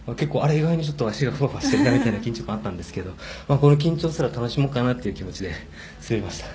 意外に足がふわふわしてるなみたいな緊張感があったんですけどこの緊張すら楽しもうかなという気持ちで滑りました。